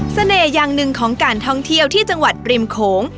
อย่างหนึ่งของการท่องเที่ยวที่จังหวัดริมโขง